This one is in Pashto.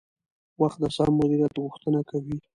وخت د سم مدیریت غوښتنه کوي